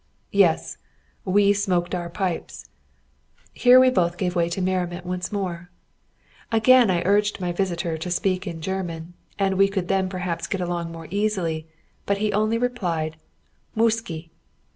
"Yes, we smoked our pipes." Here we both gave way to merriment once more. Again I urged upon my visitor to speak in German, and we could then perhaps get along more easily, but he only replied, "_Muszaj!